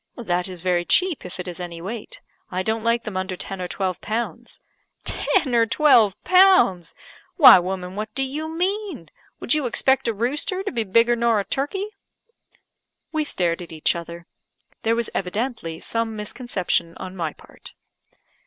"That is very cheap, if it is any weight. I don't like them under ten or twelve pounds." "Ten or twelve pounds! Why, woman, what do you mean? Would you expect a rooster to be bigger nor a turkey?" We stared at each other. There was evidently some misconception on my part.